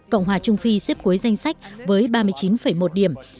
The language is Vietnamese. cộng hòa trung phi xếp cuối danh sách với ba mươi chín một điểm